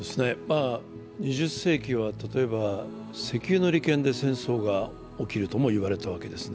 ２０世紀は例えば石油の利権で戦争が起きるとも言われたわけです。